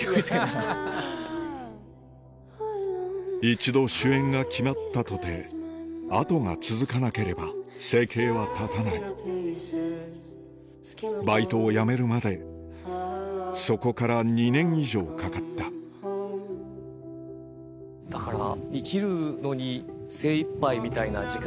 一度主演が決まったとて後が続かなければ生計は立たないバイトをやめるまでそこから２年以上かかっただから。